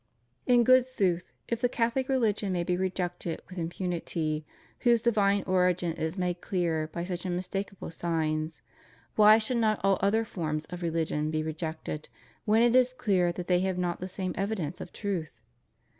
In good sooth, if the Catholic religion may be rejected with impunity, whose divine origin is made clear by such unmistakable signs, why should not all other forms of religion be rejected, when it is clear that they have not the same f.vidence of truth?